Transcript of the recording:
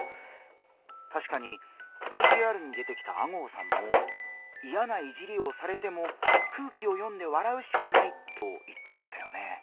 たしかにＶＴＲに出てきた吾郷さんも「イヤないじりをされても空気を読んで笑うしかない」と言ってましたよね。